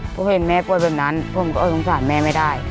พอเห็นแม่โปรดแบบนั้นมันก็ร่งส่าห์แม่ไม่ได้